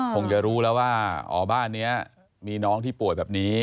คงจะรู้แล้วว่าอ๋อบ้านนี้มีน้องที่ป่วยแบบนี้